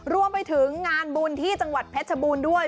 รวมไปถึงงานบุญที่จังหวัดเพชรชบูรณ์ด้วย